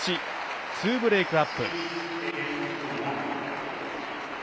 ２ブレークアップ。